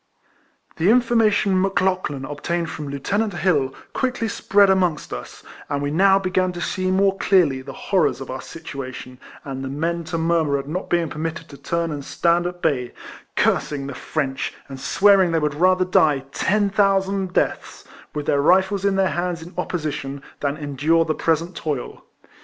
The information Mc Lauchlan obtained from Lieutenant Plill quickly spread amongst us, and we now began to see more clearly the horrors of our situation, and the men to murmur at not being permitted to turn and stand at bay, — cursing the French, and swearing they would rather die ten thousand deaths, with their rifles in their hands in opposition, than endure the present toil.